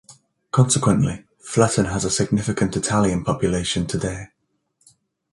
Consequently, Fletton has a significant Italian population today.